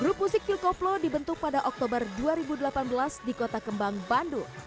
grup musik philcoplo dibentuk pada oktober dua ribu delapan belas di kota kembang bandung